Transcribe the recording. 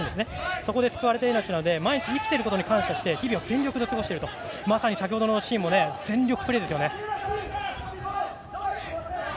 そこで救われた命なので毎日生きていることに感謝して日々を全力で生きているとまさに先ほどのシーンも全力プレーですよね。